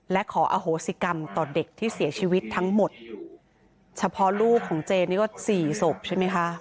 และขออโหสิกรรมต่อเด็กที่เสียชีวิตทั้งหมดเฉพาะลูกของเจนี่ก็สี่ศพใช่ไหมคะ